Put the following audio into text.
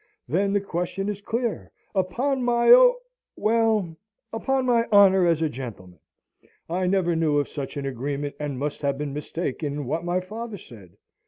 Then the question is clear. Upon my o well, upon my honour as a gentleman! I never knew of such an agreement, and must have been mistaken in what my father said.